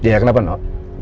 ya kenapa noh